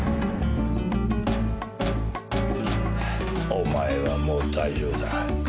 お前はもう大丈夫だ。